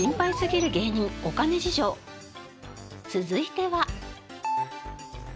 続いては。